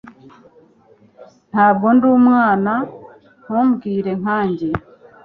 Ntabwo ndi umwana. Ntumbwire nkanjye.